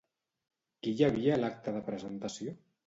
Qui hi havia a l'acte de presentació?